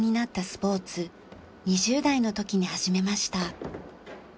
２０代の時に始めました。